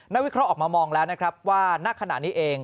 วิเคราะห์ออกมามองแล้วนะครับว่าณขณะนี้เอง